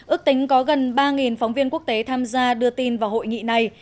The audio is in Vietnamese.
ước tính có gần ba phóng viên quốc tế tham gia đưa tin vào hội nghị này